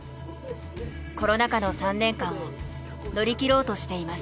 コロナ禍の３年間を乗り切ろうとしています。